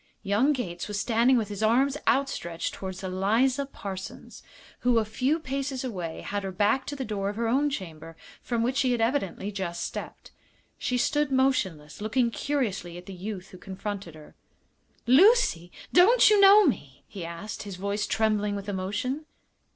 Young Gates was standing with his arms outstretched toward Eliza Parsons, who, a few paces away, had her back to the door of her own chamber, from which she had evidently just stepped. She stood motionless, looking curiously at the youth who confronted her. "Lucy! don't you know me?" he asked, his voice trembling with emotion.